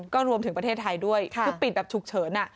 ก็รวมถึงประเทศไทยด้วยคือปิดแบบฉุกเฉิน